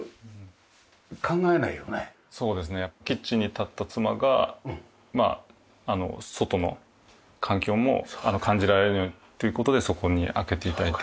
キッチンに立った妻が外の環境も感じられるようにという事でそこに開けて頂いて。